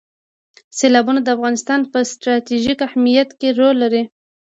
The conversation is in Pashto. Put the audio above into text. سیلابونه د افغانستان په ستراتیژیک اهمیت کې رول لري.